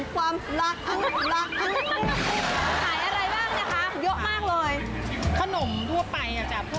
ขายอะไรบ้างน่ะคะยกมากเลย